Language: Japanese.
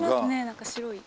何か白い。